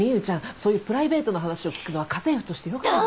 そういうプライベートな話を聞くのは家政婦としてよくない。